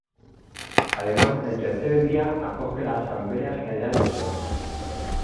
Además, el tercer día, acoge la Asamblea General de Socios.